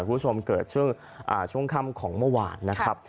คุณผู้ชมเกิดช่วงค่ำของเมื่อวานนะครับ